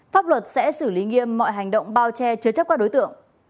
pháp luật sẽ xử lý nghiêm mọi hành động bao che chứa chấp các đối tượng